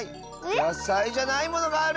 やさいじゃないものがある！